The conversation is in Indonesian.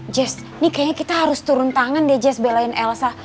jazz ini kayaknya kita harus turun tangan deh jazz belain elsa